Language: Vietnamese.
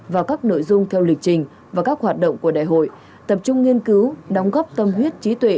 vào các nội dung theo lịch trình và các hoạt động của đại hội tập trung nghiên cứu đóng góp tâm huyết trí tuệ